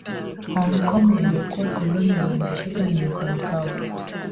Hong Kong iliyokuwa koloni la Uingereza na Macau